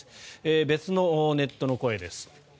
別のネットの声です。